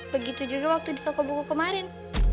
begitu juga waktu di toko buku kemarin